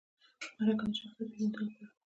مرکه د شخصیت پیژندنې لپاره ده